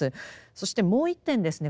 そしてもう一点ですね